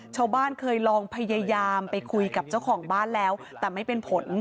ชาวบ้านเคยลองพยายามไปคุยกับเจ้าของบ้านแล้วแต่ไม่เป็นผล